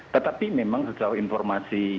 tetapi memang setelah informasi